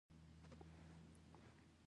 کاغذ څنګه سپما کړو؟